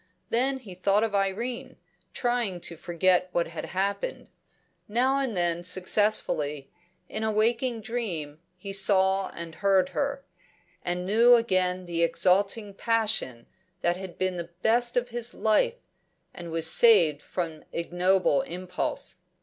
Then he thought of Irene, trying to forget what had happened. Now and then successfully; in a waking dream he saw and heard her, and knew again the exalting passion that had been the best of his life, and was saved from ignoble impulse.